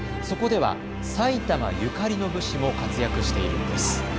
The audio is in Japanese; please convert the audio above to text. そこでは埼玉ゆかりの武士も活躍しているんです。